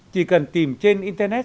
chỉ cần tìm trên internet